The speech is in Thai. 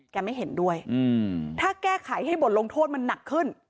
ไม่เห็นด้วยถ้าแก้ไขให้บทลงโทษมันหนักขึ้น